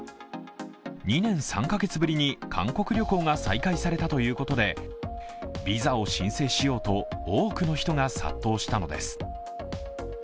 ２年３カ月ぶりに韓国旅行が再開されたということでビザを申請しようと多くの人が殺到したのです。